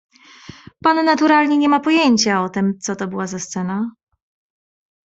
"Pan naturalnie nie ma pojęcia o tem, co to była za scena?"